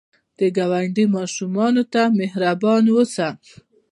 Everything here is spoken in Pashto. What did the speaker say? د ګاونډي ماشومانو ته مهربان اوسه